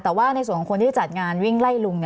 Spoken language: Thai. แต่ว่าในส่วนของคนที่จัดงานวิ่งไล่ลุง